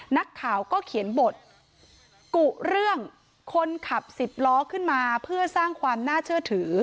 นักข่าวก็เขียนบทกุเรื่องคนขับสิบล้อขึ้นมาเพื่อสร้างความน่าเชื่อถือ